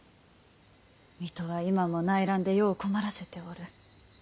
水戸は今も内乱で世を困らせておる。